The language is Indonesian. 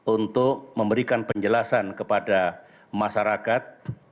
untuk memberikan penjelasan kepada masyarakat